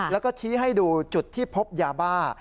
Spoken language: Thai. แล้วก็ชี้ให้ดูจุดที่พบยาบ้า